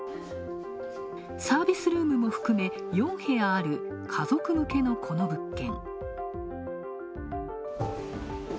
サービスルームも含め、４部屋ある家族向けの、この物件。